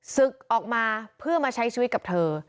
ศึกออกมาเพื่อมาใช้ชีวิตกับเธอ